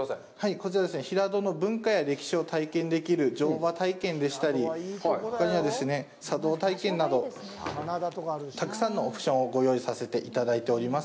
こちら、平戸の文化や歴史を体験できる乗馬体験でしたり、ほかには茶道体験など、たくさんのオプションをご用意させていただいております。